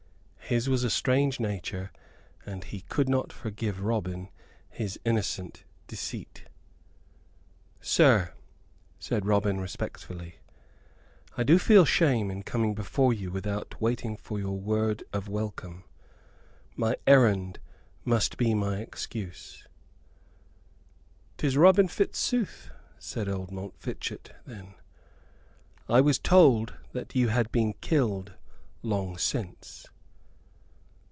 His was a strange nature, and he could not forgive Robin his innocent deceit. "Sir," said Robin, respectfully, "I do feel shame in coming before you without waiting for your word of welcome. My errand must be my excuse." "'Tis Robin Fitzooth!" said old Montfichet, then. "I was told that you had been killed long since."